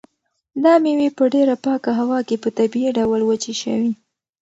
دا مېوې په ډېره پاکه هوا کې په طبیعي ډول وچې شوي.